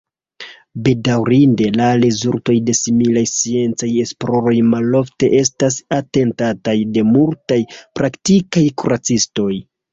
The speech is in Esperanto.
Bedaŭrinde, la rezultoj de similaj sciencaj esploroj malofte estas atentataj de multaj praktikaj kuracistoj.